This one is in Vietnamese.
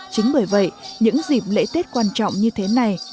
chính bởi vậy những dịp lễ tết quan trọng như thế này